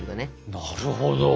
なるほど。